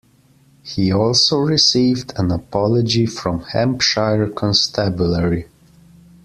He also received an apology from Hampshire Constabulary.